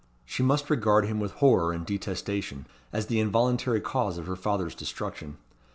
She must regard him with horror and detestation, as the involuntary cause of her father's destruction.